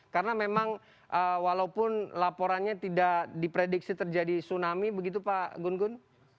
karena memang walaupun laporannya tidak diprediksi terjadi tsunami begitu pak gun gun